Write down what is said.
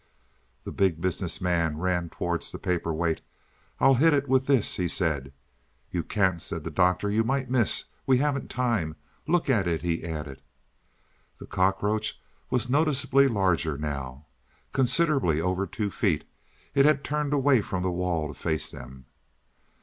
The Big Business Man ran towards the paper weight. "I'll hit it with this," he said. "You can't," said the Doctor, "you might miss. We haven't time. Look at it," he added. The cockroach was noticeably larger now considerably over two feet; it had turned away from the wall to face them.